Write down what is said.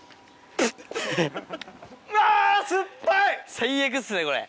最悪ですねこれ。